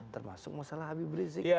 termasuk masalah habib rizik dan lain lain